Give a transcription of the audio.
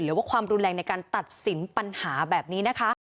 หรือว่าความรุนแรงในการตัดสินปัญหาแบบนี้นะคะ